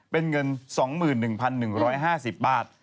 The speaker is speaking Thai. เป็นเงิน๒๑๑๕๐บาท